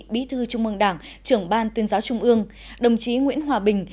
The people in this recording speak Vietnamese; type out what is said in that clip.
bí thư trung ương đảng trưởng ban tuyên giáo trung ương đồng chí nguyễn hòa bình